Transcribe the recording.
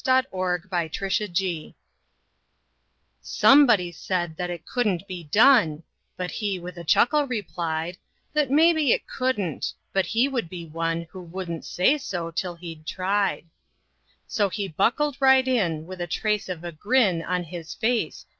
37 It Couldn't Be Done Somebody said that it couldn't be done, But he with a chuckle replied That "maybe it couldn't," but he would be one Who wouldn't say so till he'd tried. So he buckled right in with the trace of a grin On his face.